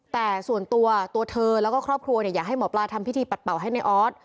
แต่ส่วนตัวตัวเธอแล้วก็ครอบครัวอยากให้หมอปลาทำพิธีปัดเป่าให้ในออส